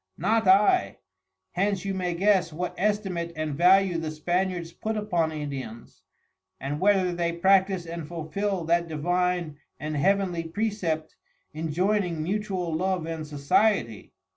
Not I. Hence you may guess what estimate and value the Spaniards put upon Indians, and whether they practise and fulful that Divine and Heavenly precept injoyning mutual Love and Society.